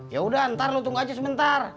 yaudah ntar lo tunggu aja sebentar